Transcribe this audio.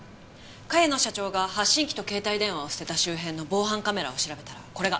茅野社長が発信機と携帯電話を捨てた周辺の防犯カメラを調べたらこれが。